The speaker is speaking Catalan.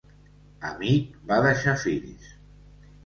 Amic va deixar fills: